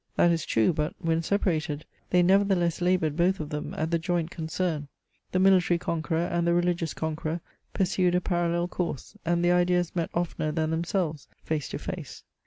That is true, but, when separated, they nevertheless laboured, both of them, at the joint concern. The military conqueror, and the religious conqueror, pursued a parallel course, and their ideas met oflener than themselves, face to face.